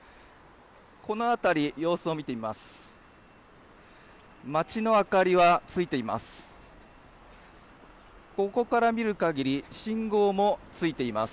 この辺り様子を見てみます。